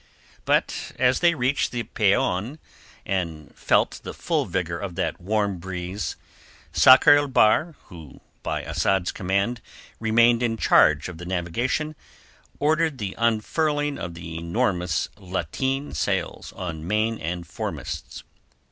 But as they reached the Peñon and felt the full vigour of that warm breeze, Sakr el Bahr, who by Asad's command remained in charge of the navigation, ordered the unfurling of the enormous lateen sails on main and foremasts.